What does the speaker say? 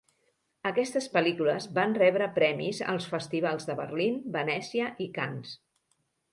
Aquestes pel·lícules van rebre premis als festivals de Berlín, Venècia i Cannes.